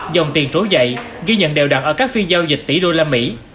dòng tiền trối dậy ghi nhận đều đạt ở các phiên giao dịch tỷ usd